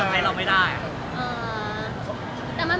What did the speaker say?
เรายังไม่ได้คุยเรื่องนั้น